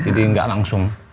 jadi gak langsung